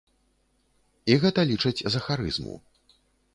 І гэта лічаць за харызму.